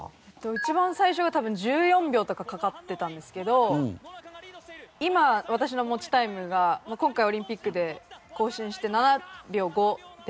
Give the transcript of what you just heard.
一番最初が多分１４秒とかかかってたんですけど今私の持ちタイムが今回オリンピックで更新して７秒５で。